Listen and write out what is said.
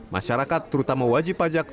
masyarakat terutama wajib pajak